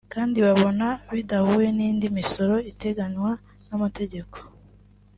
kandi babona bidahuye n’indi misoro iteganywa n’amategeko